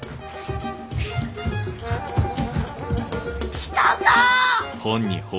来たか！